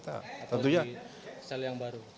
tentunya sel yang baru